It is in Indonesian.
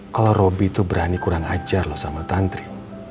kalau robby itu berani kurang ajar loh sama tantri